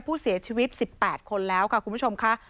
ผู้เสียชีวิต๑๘คนแล้วค่ะคุณผู้ชมค่ะ